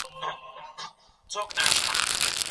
موږ باید د اسراف مخه ونیسو.